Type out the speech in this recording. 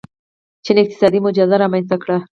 چین اقتصادي معجزه رامنځته کړې.